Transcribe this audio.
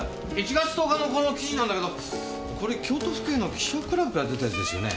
１月１０日のこの記事なんだけどこれ京都府警の記者クラブから出たやつですよね？